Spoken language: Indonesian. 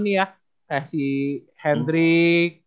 nih ya kayak si hendrik